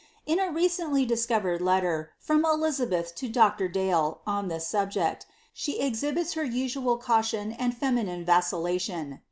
In a recently discovered letter, from Elizabeth to Dr. Dale,' on this subject, she exhibits her usual caution and feminine vacillation.